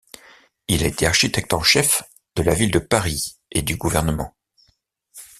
Il a été architecte en chef de la Ville de Paris et du Gouvernement.